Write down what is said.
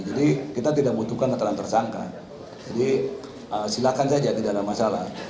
jadi kita tidak butuhkan keterangan tersangka silakan saja tidak ada masalah